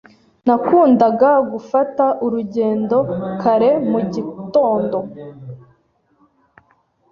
Nakundaga gufata urugendo kare mu gitondo.